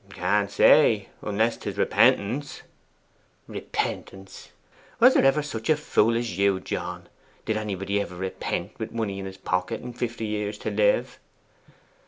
'Can't say; unless 'tis repentance.' 'Repentance! was there ever such a fool as you. John? Did anybody ever repent with money in's pocket and fifty years to live?